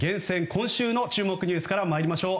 今週の注目ニュースからまいりましょう。